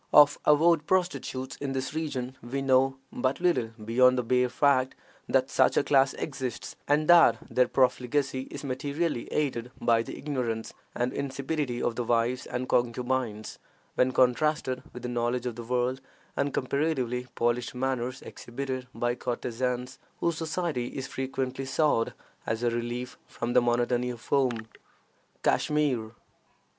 Of avowed prostitutes in this region we know but little beyond the bare fact that such a class exists, and that their profligacy is materially aided by the ignorance and insipidity of the wives and concubines, when contrasted with the knowledge of the world and comparatively polished manners exhibited by courtesans, whose society is frequently sought as a relief from the monotony of home. KASHMIR.